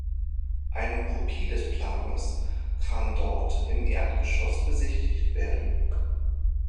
Eine Kopie das Planes kann dort im Erdgeschoss besichtigt werden.